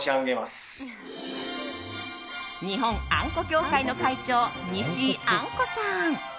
日本あんこ協会の会長にしいあんこさん。